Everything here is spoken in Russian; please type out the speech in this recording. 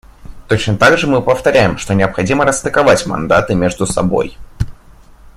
Точно так же мы повторяем, что необходимо расстыковать мандаты между собой.